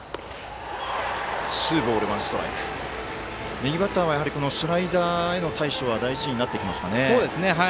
右バッターはスライダーへの対処は大事になってきますかね。